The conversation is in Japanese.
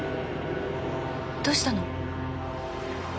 どうしたの？